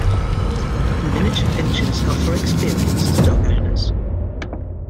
Miniature Pinschers are for experienced dog owners.